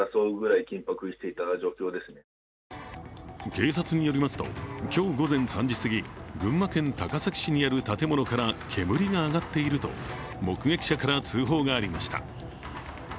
警察によりますと今日午前３時すぎ群馬県高崎市にある建物から煙が上がっていると目撃者から通報がありました。